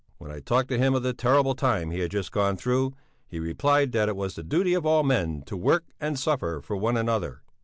When I talked to him of the terrible time he had just gone through, he replied that it was the duty of all men to work and suffer for one another.